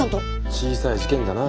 小さい事件だな。